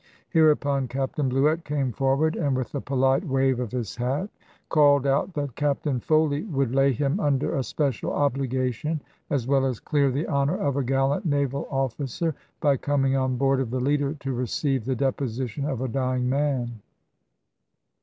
Hereupon Captain Bluett came forward, and with a polite wave of his hat called out that Captain Foley would lay him under a special obligation, as well as clear the honour of a gallant naval officer, by coming on board of the Leader, to receive the deposition of a dying man.